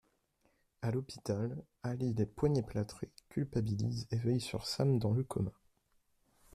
À l'hôpital, Ali les poignets plâtrés, culpabilise et veille sur Sam dans le coma.